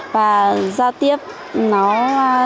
và giao tiếp nó nói được nhiều